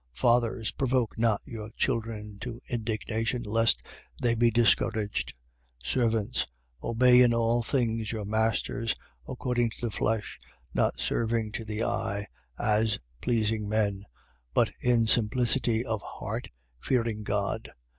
3:21. Fathers, provoke not your children to indignation, lest they be discouraged. 3:22. Servants, obey in all things your masters according to the flesh: not serving to the eye, as pleasing men: but in simplicity of heart, fearing God.